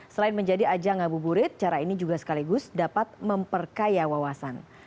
selain menjadi ajang ngabuburit cara ini juga sekaligus dapat memperkaya wawasan